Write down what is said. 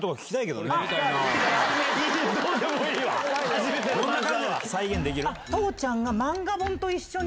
どんな感じか再現できる？